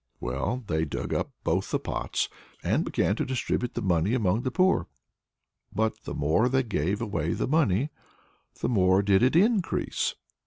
Well, they dug up both the pots, and began to distribute the money among the poor. But the more they gave away the money, the more did it increase.